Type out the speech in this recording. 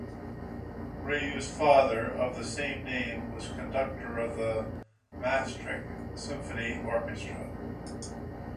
Rieu's father, of the same name, was conductor of the Maastricht Symphony Orchestra.